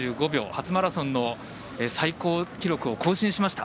初マラソンの最高記録を更新しました。